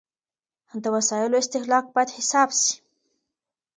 د وسايلو استهلاک بايد حساب سي.